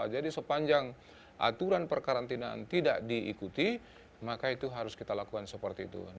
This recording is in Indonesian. jadi sepanjang aturan perkarantinaan tidak diikuti maka itu harus kita lakukan seperti itu